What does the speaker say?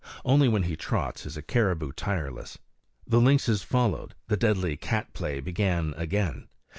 Only when he trots is a caribou tireless. The lynxes followed the deadly cat play began again.